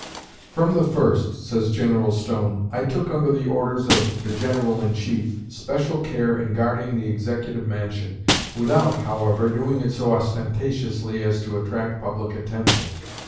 "From the first," says General Stone, "I took, under the orders of the General in chief, especial care in guarding the Executive Mansion without, however, doing it so ostentatiously as to attract public attention.